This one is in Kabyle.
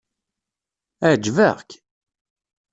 Ɛejbeɣ-k?